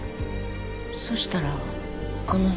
そしたらあの日。